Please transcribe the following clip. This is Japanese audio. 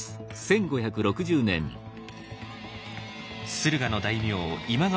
駿河の大名今川